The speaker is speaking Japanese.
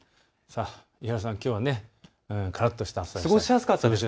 伊原さん、きょうはからっとした日でしたね。